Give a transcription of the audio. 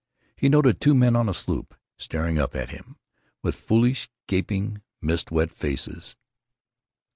He noted two men on a sloop, staring up at him with foolish, gaping, mist wet faces.